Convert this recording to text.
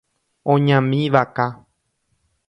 Oñami vaka.